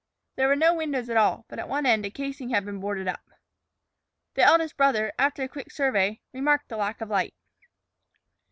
There were no windows at all, but at one end a casing had been boarded up. The eldest brother, after a quick survey, remarked the lack of light.